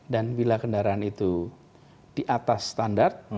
dan bila kendaraan itu di atas standar